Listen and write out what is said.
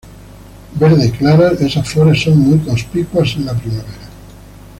Verde claras, esas flores son muy conspicuas en la primavera.